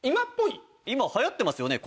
今流行ってますよね？